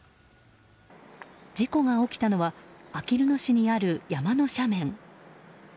事故が起きたのはあきる野市にある山の斜面。